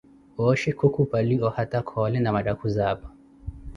Ooxhi khukhupali ohata Khoole na mattakhuzi apa.